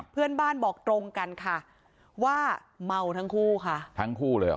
เพื่อนบ้านบอกตรงกันค่ะว่าเมาทั้งคู่ค่ะทั้งคู่เลยเหรอ